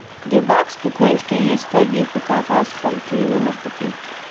د بکس په کونج کې یې سترګې په کاغذي خلطې ونښتې.